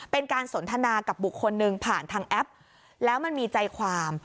เป็นการสนทนากับบุคคลหนึ่งผ่านทางแอปแล้วมันมีใจความ